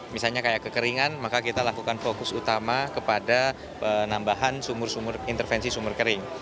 misalnya kayak kekeringan maka kita lakukan fokus utama kepada penambahan sumur sumur intervensi sumur kering